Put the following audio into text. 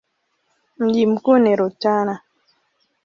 Mji mkuu ni Rutana.